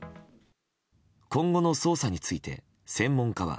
今後の捜査について専門家は。